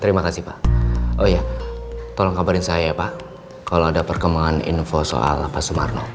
terima kasih pak oh ya tolong kabarin saya ya pak kalau ada perkembangan info soal pak sumarno